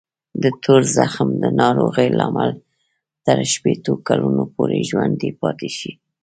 د تور زخم ناروغۍ لامل تر شپېتو کلونو پورې ژوندی پاتې شي.